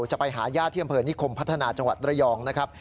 จะไปหาญาติที่อำเภอนิคมพัฒนาจังหวัดระยองนะครับ